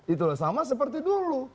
itu sama seperti dulu